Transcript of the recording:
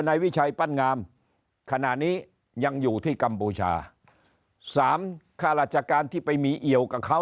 นายวิชัยปั้นงามขณะนี้ยังอยู่ที่กัมพูชาสามค่าราชการที่ไปมีเอี่ยวกับเขา